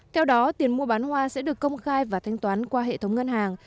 theo đó tiền mua bán hoa sẽ được công khai và thanh toán qua hệ thống ngân hàng